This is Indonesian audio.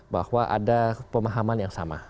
bahwa ada pemahaman yang sama